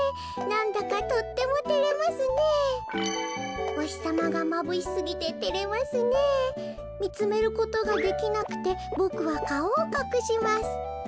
なんだかとってもてれますねえおひさまがまぶしすぎててれますねえみつめることができなくてボクはかおをかくします